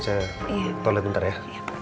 saya tolet bentar ya